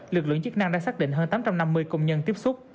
lực lượng chức năng đã xác định hơn tám trăm năm mươi công nhân tiếp xúc